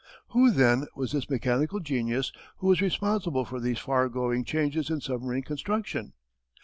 Who, then, was this mechanical genius who was responsible for these far going changes in submarine construction?